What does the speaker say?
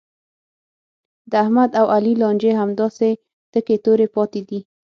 د احمد او علي لانجې همداسې تکې تورې پاتې دي.